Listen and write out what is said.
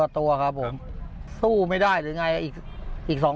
ตัวครับผมสู้ไม่ได้หรือไงอีกสอง